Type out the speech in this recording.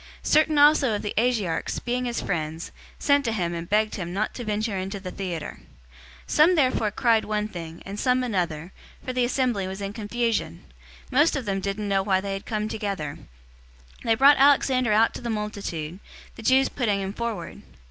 019:031 Certain also of the Asiarchs, being his friends, sent to him and begged him not to venture into the theater. 019:032 Some therefore cried one thing, and some another, for the assembly was in confusion. Most of them didn't know why they had come together. 019:033 They brought Alexander out of the multitude, the Jews putting him forward.